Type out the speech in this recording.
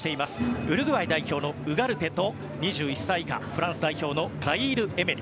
ウルグアイ代表のウガルテと２１歳以下フランス代表のザイール・エメリ。